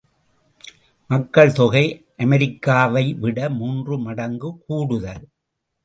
மக்கள் தொகை அமெரிக்காவை விட மூன்று மடங்கு கூடுதல்.